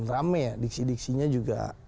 rame ya diksi diksinya juga